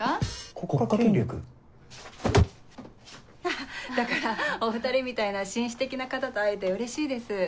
国家権力？だからお２人みたいな紳士的な方と会えてうれしいです。